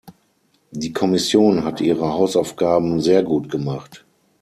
Die Kommission hat ihre Hausaufgaben sehr gut gemacht.